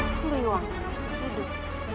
siliwangi masih hidup